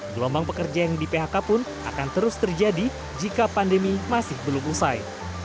gelombang pekerja yang di phk pun akan terus terjadi jika pandemi masih belum usai